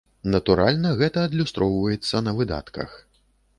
Натуральна, гэта адлюстроўваецца на выдатках.